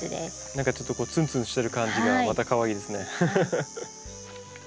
何かちょっとつんつんしてる感じがまたかわいいですね。